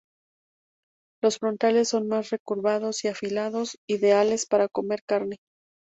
Los frontales son más recurvados y afilados, ideales para comer carne.